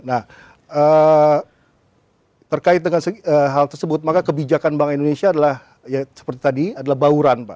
nah terkait dengan hal tersebut maka kebijakan bank indonesia adalah ya seperti tadi adalah bauran pak